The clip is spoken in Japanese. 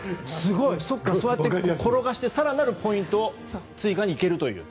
そうやって転がして更なるポイントを追加に行けるという。